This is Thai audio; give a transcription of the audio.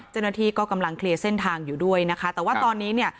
เจ้าหน้าที่ก็กำลังเคลียร์เส้นทางอยู่ด้วยนะคะแต่ว่าตอนนี้เนี่ย